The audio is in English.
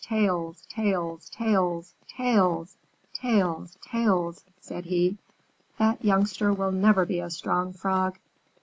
Tails! Tails! Tails! Tails! Tails! Tails!" said he. "That youngster will never be a strong Frog.